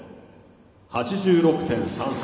８６．３３。